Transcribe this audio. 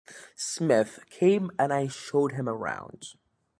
Smyth came and I showed him around.